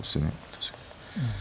確かに。